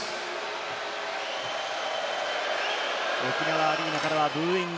沖縄アリーナからはブーイング。